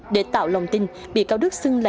để tạo lòng tin bị cáo đức xưng là